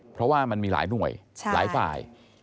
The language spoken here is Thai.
เพราะว่ามันมีหลายหน่วยหลายฝ่าย